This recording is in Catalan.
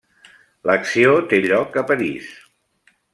L'acció té lloc a París.